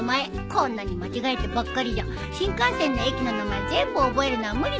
こんなに間違えてばっかりじゃ新幹線の駅の名前全部覚えるのは無理だね。